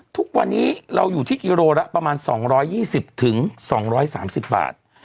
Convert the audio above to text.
ทุกวันนี้เราอยู่ที่กิโลละประมาณ๒๒๐๒๓๐บาท